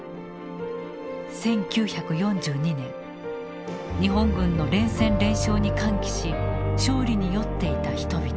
１９４２年日本軍の連戦連勝に歓喜し勝利に酔っていた人々。